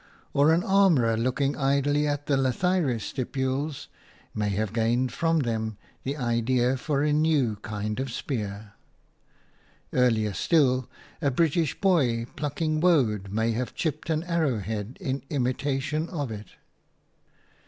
Or an armourer, looking idly at the lathyrus stipules, may have gained from them the idea for a new kind of spear. Earlier still, a British boy plucking woad may have chipped an arrow head in imitation of it.